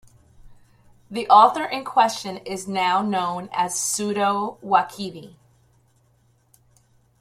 The author in question is now known as pseudo-Waqidi.